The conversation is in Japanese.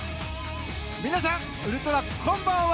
皆さん、ウルトラこんばんは！